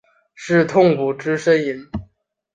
是痛苦之呻吟？